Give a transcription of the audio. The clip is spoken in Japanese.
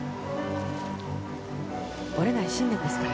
折れない信念ですから。